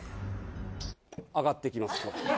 上がってきます。